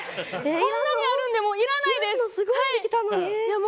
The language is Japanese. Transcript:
こんなにあるんでもういらないです。